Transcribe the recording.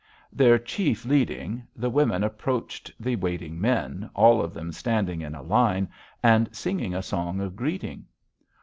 "Their chief leading, the women approached the waiting men, all of them standing in a line, and singing a song of greeting.